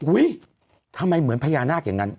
ทำไมเหมือนพญานาคอย่างนั้น